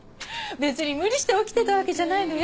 別に無理して起きてたわけじゃないのよ。